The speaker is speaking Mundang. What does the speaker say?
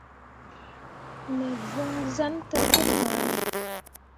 Me võo zan tel pu pããre.